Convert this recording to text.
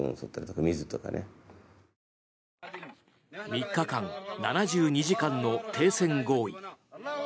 ３日間７２時間の停戦合意。